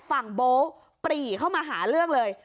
โบ๊คปรีเข้ามาหาเรื่องเลย